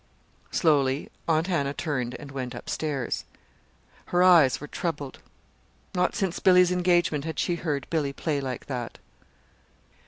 Slowly Aunt Hannah turned and went up stairs. Her eyes were troubled. Not since Billy's engagement had she heard Billy play like that.